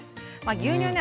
牛乳ね